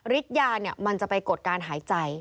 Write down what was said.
ยามันจะไปกดการหายใจ